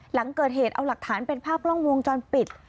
หลังเกิดเหตุเอาหลักฐานเป็นภาพกล้องวงจรปิด